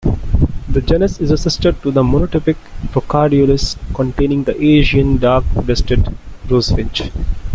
The genus is a sister to the monotypic "Procarduelis" containing the Asian dark-breasted rosefinch.